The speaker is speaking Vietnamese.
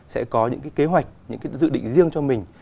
sẽ có những cái kế hoạch những cái dự định riêng cho mình